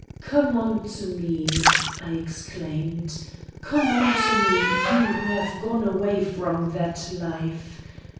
"Come unto me," I exclaimed; "come unto me; you who have gone away from that life.